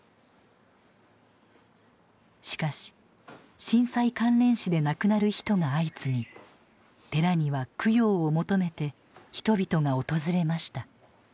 しかし震災関連死で亡くなる人が相次ぎ寺には供養を求めて人々が訪れました。